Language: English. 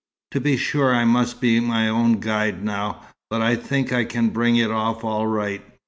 To be sure, I must be my own guide now, but I think I can bring it off all right.